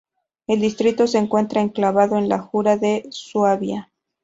El distrito se encuentra enclavado en la Jura de Suabia.